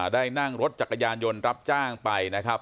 ได้นั่งรถจักรยานยนต์รับจ้างไปนะครับ